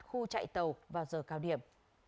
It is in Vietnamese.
khu chạy tàu vào giờ cao điểm